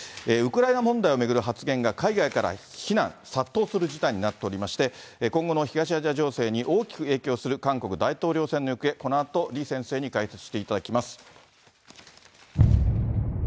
ウクライナ問題を巡る発言が海外から非難、殺到する事態になっておりまして、今後の東アジア情勢に大きく影響する韓国大統領選の行方、このあと、李先生に解説していただきます。